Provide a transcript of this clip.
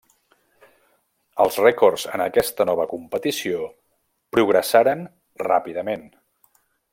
Els rècords en aquesta nova competició progressaren ràpidament.